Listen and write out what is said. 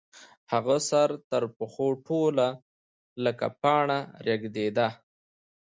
هغه سر تر پښو ټوله لکه پاڼه رېږدېده.